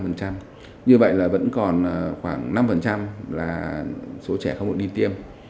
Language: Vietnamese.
như vậy là vẫn còn khoảng năm là số trẻ không được đi tiêm